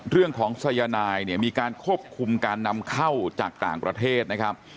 เรื่องของสยนายมีการควบคุมการนำเข้าจากต่างประเทศนะครับ